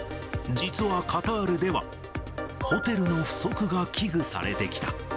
実はカタールでは、ホテルの不足が危惧されてきた。